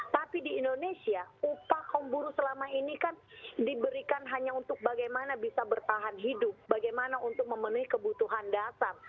tapi di indonesia upah kaum buruh selama ini kan diberikan hanya untuk bagaimana bisa bertahan hidup bagaimana untuk memenuhi kebutuhan dasar